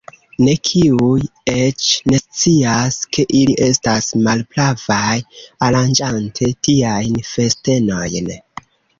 Ne, kiuj eĉ nescias, ke ili estas malpravaj, aranĝante tiajn festenojn.